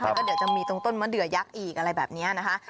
ต้นมะเดือยักษ์จะมีต้นมะเดือยักษ์อีกอะไรแบบนี้นะคะ